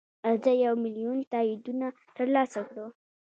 راځه یو میلیون تاییدونه ترلاسه کړو.